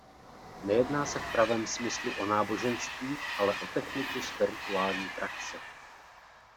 Nejedná se v pravém smyslu o náboženství ale o techniku spirituální praxe.